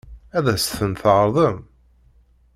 Ad as-ten-tɛeṛḍem?